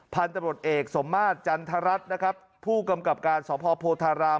พันธบทเอกสมมาตย์จันทรัศน์นะครับผู้กำกับการสภพโพธาราม